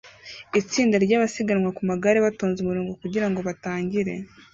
Itsinda ryabasiganwa ku magare batonze umurongo kugirango batangire